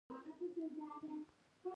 سوالګر له چاره بنده شوی وي